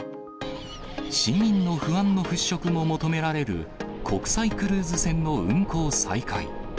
市民の不安の払拭も求められる国際クルーズ船の運航再開。